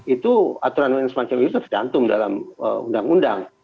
itu aturan lain semacam itu tergantung dalam undang undang